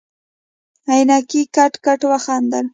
عينکي کټ کټ وخندل.